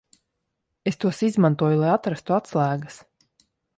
Es tos izmantoju, lai atrastu atslēgas.